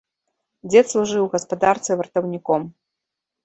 Дзед служыў у гаспадарцы вартаўніком.